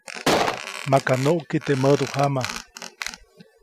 Maka nuʼki teʼ mädujama.